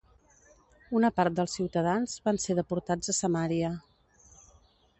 Una part dels ciutadans van ser deportats a Samària.